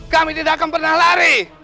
kami tidak akan pernah lari